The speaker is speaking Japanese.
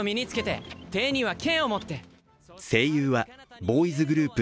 声優はボーイズグループ